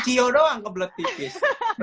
cio doang kebelet tipis